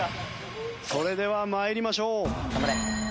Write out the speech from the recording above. それでは参りましょう。